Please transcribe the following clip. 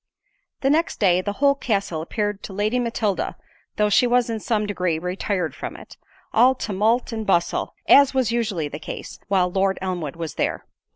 The next day the whole Castle appeared to Lady Matilda (though she was in some degree retired from it) all tumult and bustle, as was usually the case while Lord Elmwood was there.